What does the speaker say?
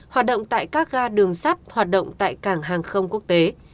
hoạt động tại các ga đường sắt hoạt động tại cảng hàng không quốc tế